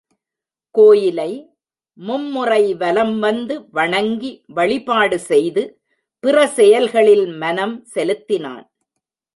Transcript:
கோயிலை மும்முறை வலம் வந்து வணங்கி வழிபாடு செய்து பிற செயல்களில் மனம் செலுத்தினான்.